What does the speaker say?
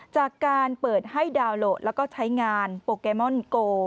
จากการเปิดให้ดาวน์โหลดแล้วก็ใช้งานโปเกมอนโก